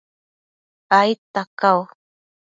aidta cau